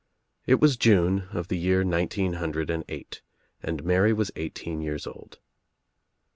It was June of the year nineteen hundred and eight and Mary was eighteen years old.